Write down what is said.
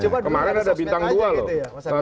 kemarin ada bintang dua loh